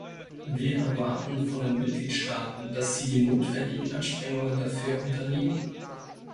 Wir erwarten von den Mitgliedstaaten, dass sie die notwendigen Anstrengungen dafür unternehmen.